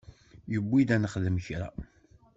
Yewwi-d ad nexdem kra.